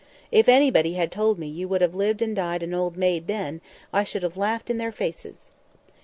If anybody had told me you would have lived and died an old maid then, I should have laughed in their faces."